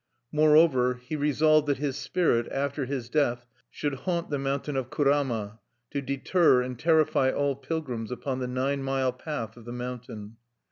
Moreover, he resolved that his spirit, after his death, should haunt the mountain of Kurama, to deter and terrify all pilgrims upon the nine mile path of the mountain.